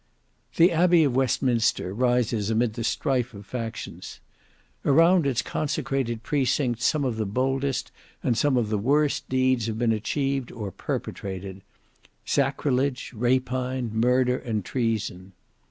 The Abbey of Westminster rises amid the strife of factions. Around its consecrated precinct some of the boldest and some of the worst deeds have been achieved or perpetrated: sacrilege, rapine, murder, and treason.